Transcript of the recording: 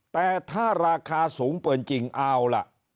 แต่ถ้าราคาสูงเกินจริงเอาล่ะ